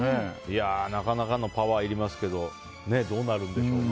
なかなかのパワーいりますけどどうなるんでしょうね。